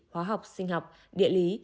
hóa học sinh học địa lý